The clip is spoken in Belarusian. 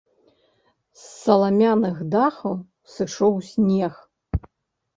З саламяных дахаў сышоў снег.